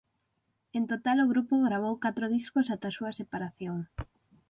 En total o grupo gravou catro discos ata a súa separación.